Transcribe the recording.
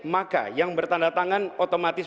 maka yang bertanda tangan otomatis